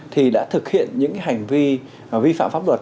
thì đã thực hiện những hành vi vi phạm pháp luật